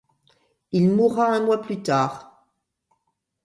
Il mourra un mois plus tard.